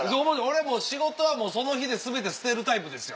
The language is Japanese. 俺はもう仕事はその日で全て捨てるタイプですよ。